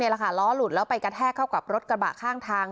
ล้อหลุดแล้วไปกระแทกเข้ากับรถกระบะข้างทาง